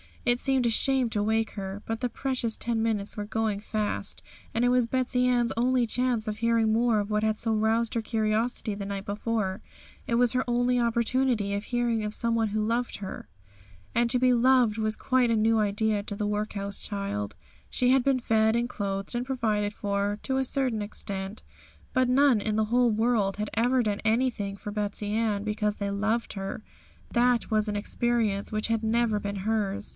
It seemed a shame to wake her; but the precious ten minutes were going fast, and it was Betsey Ann's only chance of hearing more of what had so roused her curiosity the night before; it was her only opportunity of hearing of some one who loved her. And to be loved was quite a new idea to the workhouse child. She had been fed, and clothed, and provided for, to a certain extent; but none in the whole world had ever done anything for Betsey Ann because they loved her; that was an experience which had never been hers.